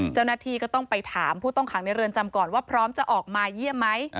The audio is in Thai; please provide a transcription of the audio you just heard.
เจ้าหน้าที่ก็ต้องไปถามผู้ต้องขังในเรือนจำก่อนว่าพร้อมจะออกมาเยี่ยมไหม